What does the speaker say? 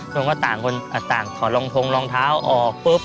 ผมก็ต่างคนต่างถอดรองทงรองเท้าออกปุ๊บ